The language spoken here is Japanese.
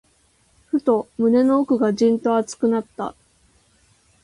ふと、胸の奥がじんと熱くなった。